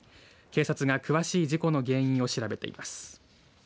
警察が詳しい事故の原因を調べています。